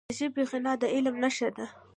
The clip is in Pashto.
د ژبي غنا د علم نښه ده.